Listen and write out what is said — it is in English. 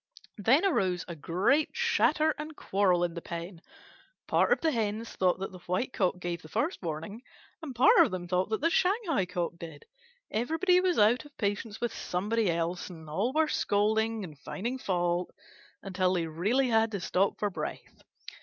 Then arose a great chatter and quarrel in the pen. Part of the Hens thought that the White Cock gave the first warning, and part of them thought that the Shanghai Cock did. Everybody was out of patience with somebody else, and all were scolding and finding fault until they really had to stop for breath.